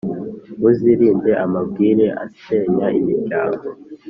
Muzirinde amabwire asenya imiryango